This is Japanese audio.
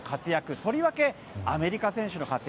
とりわけアメリカ選手の活躍